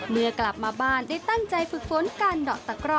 เมื่อกลับมาบ้านได้ตั้งใจฝึกฝนการดอกตะกร่อ